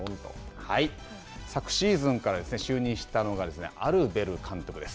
昨シーズンから就任したのがアルベル監督です。